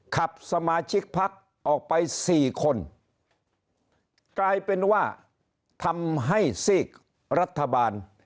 ขับสมาชิกพักออกไปสี่คนกลายเป็นว่าทำให้ซีกรัฐบาล